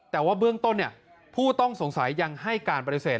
แต่ว่าเบื้องต้นผู้ต้องสงสัยยังให้การปฏิเสธ